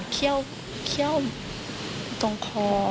คือในตอนนั้นคือเห็นตรงคอ